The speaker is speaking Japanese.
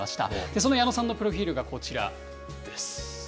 その矢野さんのプロフィールがこちらです。